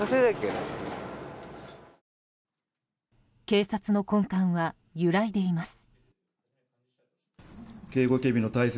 警察の根幹は揺らいでいます。